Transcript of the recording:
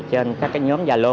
trên các nhóm gia lô